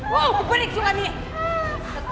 wow berik juga nih